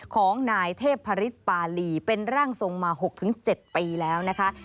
ของนายเทพฤษปาลีเป็นร่างทรงมา๖๗ปีแล้วนะคะ